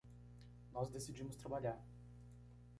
Nós decidimos trabalhar